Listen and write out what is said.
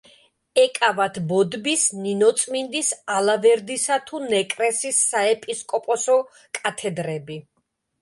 ეკავათ ბოდბის, ნინოწმინდის, ალავერდისა თუ ნეკრესის საეპისკოპოსო კათედრები.